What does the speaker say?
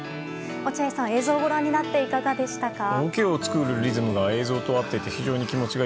落合さん、映像をご覧になっていかがですか？